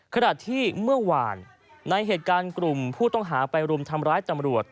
ขณะที่เมื่อวานในเหตุการณ์กลุ่มผู้ต้องหาไปรุมทำร้ายตำรวจ